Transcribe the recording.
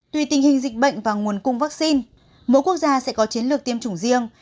tùy tình hình dịch bệnh và nguồn cung vaccine mỗi quốc gia sẽ có chiến lược tiêm chủng riêng